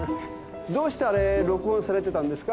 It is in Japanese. どうしてあれ録音されてたんですか？